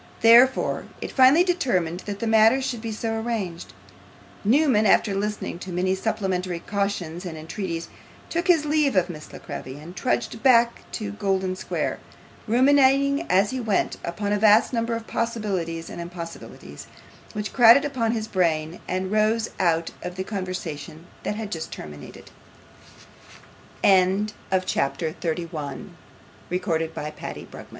Therefore it was finally determined that matters should be so arranged, and Newman, after listening to many supplementary cautions and entreaties, took his leave of Miss La Creevy and trudged back to Golden Square; ruminating as he went upon a vast number of possibilities and impossibilities which crowded upon his brain, and arose out of the conversation that had just terminated. CHAPTER 32 Relating c